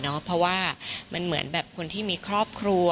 เพราะว่ามันเหมือนแบบคนที่มีครอบครัว